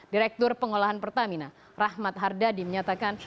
direktur pengolahan pertamina rahmat hardadi menyatakan